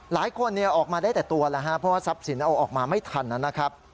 หลายคนออกมาได้แต่ตัวเพราะว่าทรัพย์สินออกมาไม่ทันนะครับ